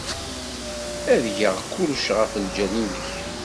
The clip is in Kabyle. Ad geɣ kullec ɣef ljal-nnek.